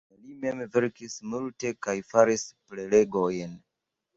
Krome li mem verkis multe kaj faris prelegojn.